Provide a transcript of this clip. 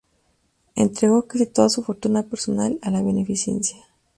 Entregó casi toda su fortuna personal a la beneficencia.